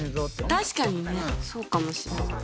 確かにねそうかもしれない。